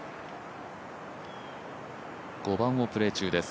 ５番をプレー中です。